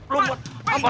lo buat apa